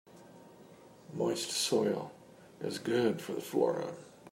Moist soil is good for the flora.